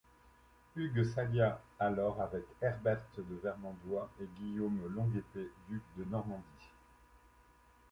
Hugues s'allia alors avec Herbert de Vermandois et Guillaume Longue-Épée, duc de Normandie.